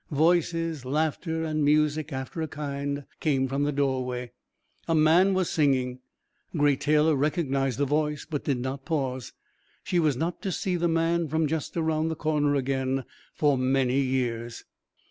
Voices, laughter, and music after a kind came from the doorway, A man was singing. Great Taylor recognized the voice but did not pause. She was not to see the man from just around the corner again for many years.